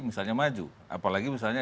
misalnya maju apalagi misalnya